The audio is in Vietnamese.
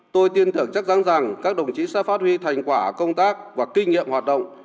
tôi tiên thưởng chắc rắn rằng các đồng chí sẽ phát huy thành quả công tác và kinh nghiệm hoạt động